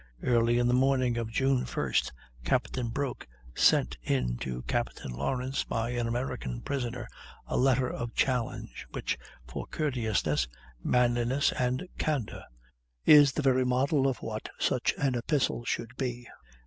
Early on the morning of June 1st, Captain Broke sent in to Captain Lawrence, by an American prisoner, a letter of challenge, which for courteousness, manliness, and candor is the very model of what such an epistle should be.